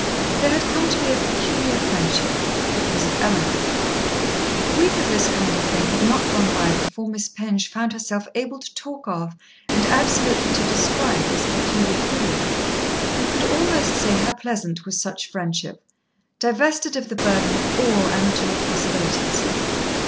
There had come to be a peculiar friendship, because of Eleanor. A week of this kind of thing had not gone by before Miss Penge found herself able to talk of and absolutely to describe this peculiar feeling, and could almost say how pleasant was such friendship, divested of the burden of all amatory possibilities.